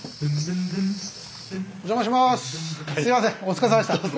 お邪魔します。